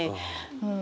うん。